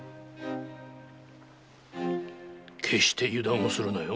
決して油断をするなよ。